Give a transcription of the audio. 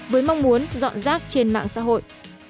với mong muốn dọn rác trên mạng xã hội